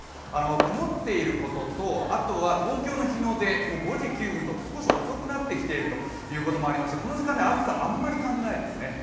曇っていることと、あとは東京の日の出５時９分と少し遅くなってきていることもありましてこの時間、暑さはあまり感じないですね。